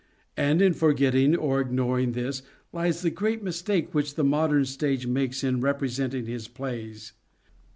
And in forgetting or ignoring this lies the great mistake which the modern stage makes in representing his plays.